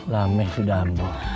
lame sudah ambo